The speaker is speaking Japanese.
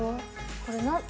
これ何。